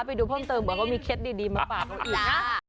ไปดูเพิ่มเติมก่อนเขามีเคล็ดดีมาฝากเขาอีกนะ